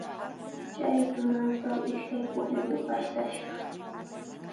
Chay tunatraw ishkay pukyumi pashtashqa.